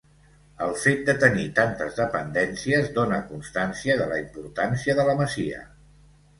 El fet de tenir tantes dependències dóna constància de la importància de la masia.